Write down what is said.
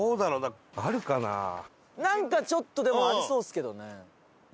なんかちょっとでもありそうですけどね。